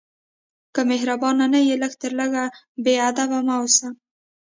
که مهربان نه یې، لږ تر لږه بېادبه مه اوسه.